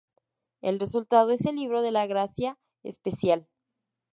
El resultado es el "Libro de la Gracia Especial".